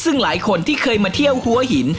ซึ่งหลายคนที่เคยมาเที่ยวหัวหิน